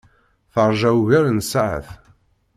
Teṛja ugar n tsaɛet.